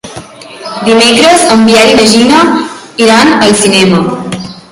Dimecres en Biel i na Gina iran al cinema.